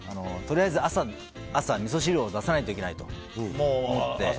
とりあえず朝、みそ汁を出さないといけないと思って。